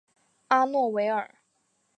阿洛维尔。